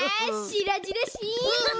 しらじらしい。